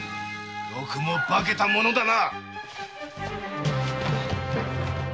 よくも化けたものだな！